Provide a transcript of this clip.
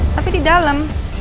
tapi di dalam